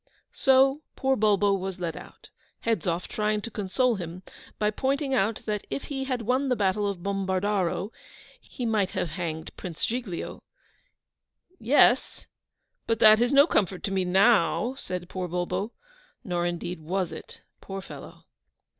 So poor Bulbo was led out, Hedzoff trying to console him, by pointing out that if he had won the battle of Bombardaro, he might have hanged Prince Giglio. 'Yes! But that is no comfort to me now!' said poor Bulbo; nor indeed was it, poor fellow!